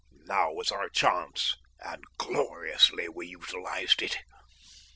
Now was our chance, and gloriously we utilised it.